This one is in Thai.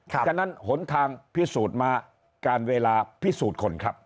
ฉะนั้นหนทางพิสูจน์มาการเวลาพิสูจน์คนครับ